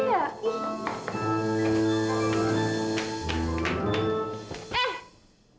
eh pup jangan sembarangan dong